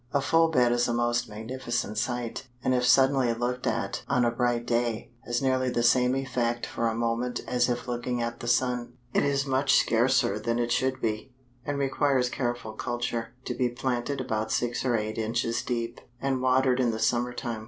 A full bed is a most magnificent sight, and if suddenly looked at on a bright day, has nearly the same effect for a moment as if looking at the sun. It is much scarcer than it should be, and requires careful culture, to be planted about six or eight inches deep, and watered in the summer time.